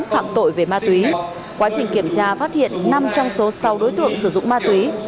phạm tội về ma túy quá trình kiểm tra phát hiện năm trong số sáu đối tượng sử dụng ma túy